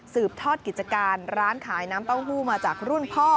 ทอดกิจการร้านขายน้ำเต้าหู้มาจากรุ่นพ่อ